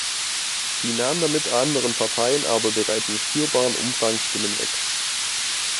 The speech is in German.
Sie nahm damit anderen Parteien aber bereits in spürbaren Umfang Stimmen weg.